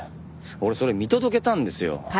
俺それ見届けたんですよ。